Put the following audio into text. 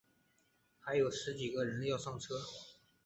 还有十几个人要上车